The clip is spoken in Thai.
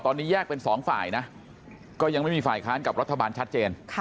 ตอนนี้แยกเป็นสองฝ่ายนะก็ยังไม่มีฝ่ายค้านกับรัฐบาลชัดเจน